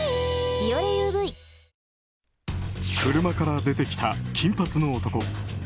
車から出てきた金髪の男。